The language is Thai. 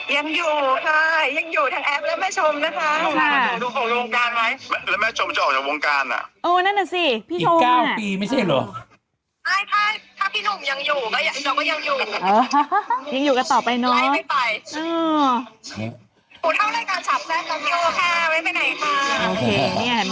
ยังอยู่ค่ะยังอยู่ทั้งแอฟและแม่ชมนะคะใช่ดูโครงโรงการไว้แล้วแม่ชมจะออกจากโรงการอ่ะ